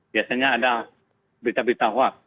biasanya ada berita berita hoax